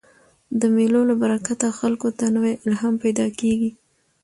د مېلو له برکته خلکو ته نوی الهام پیدا کېږي.